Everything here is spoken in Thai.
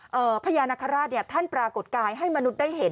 พญานาคาราชเนี่ยท่านปรากฏกายให้มนุษย์ได้เห็น